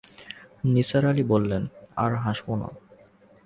নিসার আলি বললেন, আর হাসব না।